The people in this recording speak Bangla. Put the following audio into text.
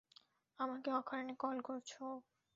আমাকে অকারণে কল করছো।